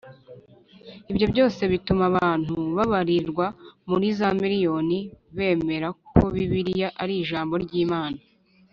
Ibyo byose bituma abantu babarirwa muri za miriyoni bemera ko Bibiliya ari Ijambo ry’Imana